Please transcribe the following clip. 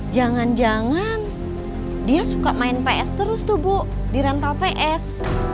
jangan jangan dia suka main ps terus tuh bu di rental ps